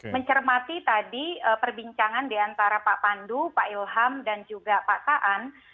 mencermati tadi perbincangan diantara pak pandu pak ilham dan juga pak saan